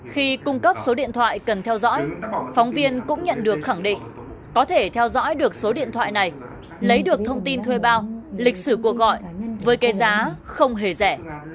khi cung cấp số điện thoại cần theo dõi phóng viên cũng nhận được khẳng định có thể theo dõi lịch sử cuộc gọi với cái giá không hề rẻ